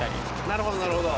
なるほどなるほど。